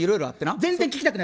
全然聞きたくない！